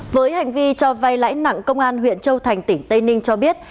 với hành vi cho vay lãi nặng công an huyện châu thành tỉnh tây ninh cho biết